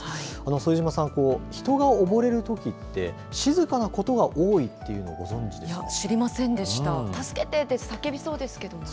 副島さん、人が溺れると聞いて静かなことが多いというのはご存じでしたか。